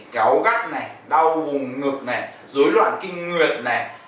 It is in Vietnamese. kéo gắt này đau vùng ngực này dối loạn kinh nguyệt này